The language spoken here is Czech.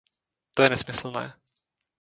To je nesmyslné.